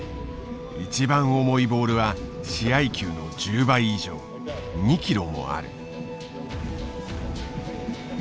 一番重いボールは試合球の１０倍以上２キロもある。